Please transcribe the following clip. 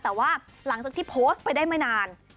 แต่ว่าหลังจากที่โพสต์ไปได้ไม่นาน